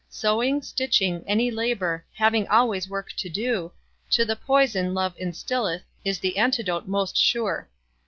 Sewing, stitching, any labour, Having always work to do, To the poison Love instilleth Is the antidote most sure.